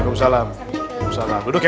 ini mah udah pasti menang aika